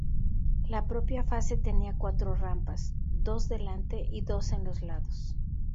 La propia fase tenía cuatro rampas: ¡dos delante y dos en los lados!